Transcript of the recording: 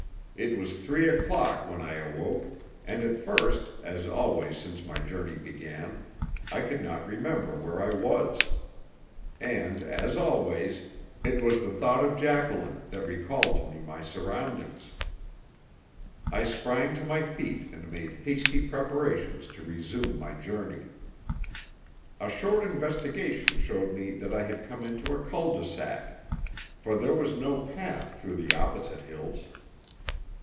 It was three o'clock when I awoke, and at first, as always since my journey began, I could not remember where I was. And, as always, it was the thought of Jacqueline that recalled to me my surroundings. I sprang to my feet and made hasty preparations to resume my journey. A short investigation showed me that I had come into a cul de sac, for there was no path through the opposite hills.